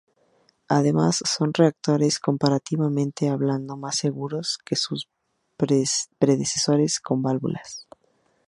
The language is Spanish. Además son reactores comparativamente hablando más seguros que sus predecesores con válvulas.